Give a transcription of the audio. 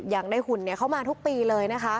อย่างด้วยคุณเขามาทุกปีเลย